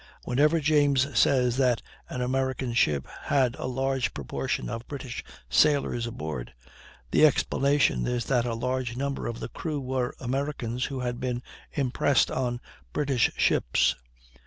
Whenever James says that an American ship had a large proportion of British sailors aboard, the explanation is that a large number of the crew were Americans who had been impressed on British ships.